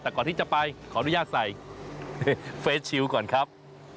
แต่ก่อนที่จะไปขออนุญาตใส่ในเฟสชิลก่อนครับ